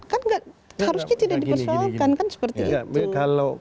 kan harusnya tidak dipersoalkan kan seperti itu